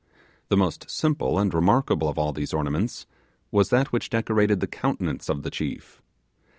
The most simple and remarkable of all these ornaments was that which decorated the countenance of the chief.